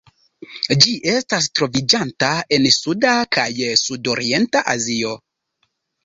Ĝi estas troviĝanta en Suda kaj Sudorienta Azio.